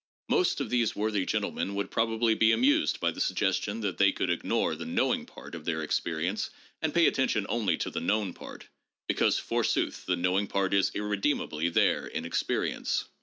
Most of these worthy gentlemen would probably be amused by the suggestion that they could ignore the knowing part of their experience and pay attention only to the known part, because forsooth the knowing part is irremedi ably there in experience.